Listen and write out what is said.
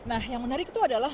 nah yang menarik itu adalah